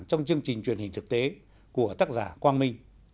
trong chương trình truyền hình thực tế của tác giả quang minh